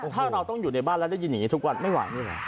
ถ้าเราอยู่ในบ้านแล้วได้ยินอย่างนี้ทุกวันไม่หวัง